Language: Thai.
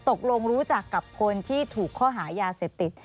ตกลงรู้จักกับคนที่ถูกข้อหายาเสพติด